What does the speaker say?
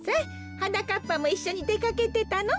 はなかっぱもいっしょにでかけてたの？